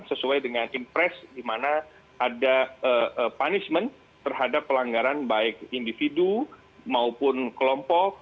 sesuai dengan impress di mana ada punishment terhadap pelanggaran baik individu maupun kelompok